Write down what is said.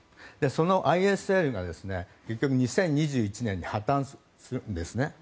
そのＩＳＬが結局、２０２１年に破綻するんですね。